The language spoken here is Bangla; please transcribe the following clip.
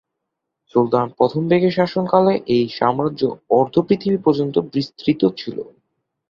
সুলতান মালিক বেগ এর শাসনকালে এই সাম্রাজ্য অর্ধ-পৃথিবী পর্যন্ত বিস্তৃত ছিলো।